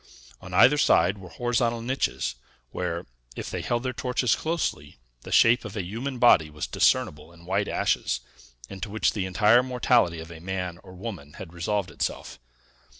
On either side were horizontal niches, where, if they held their torches closely, the shape of a human body was discernible in white ashes, into which the entire mortality of a man or woman had resolved itself.